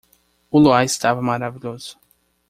O luar estava maravilhoso.